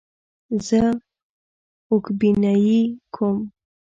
زه اوښبهني کوم.